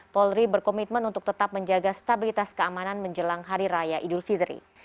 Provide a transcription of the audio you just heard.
polri berkomitmen untuk tetap menjaga stabilitas keamanan menjelang hari raya idul fitri